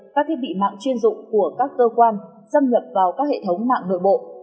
các thiết bị mạng chuyên dụng của các cơ quan xâm nhập vào các hệ thống mạng nội bộ